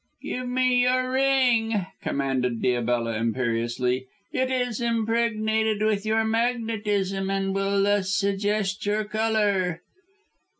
"Give me your ring," commanded Diabella imperiously. "It is impregnated with your magnetism and will thus suggest your colour."